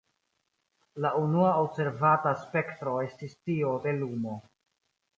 La unua observata spektro estis tio de lumo.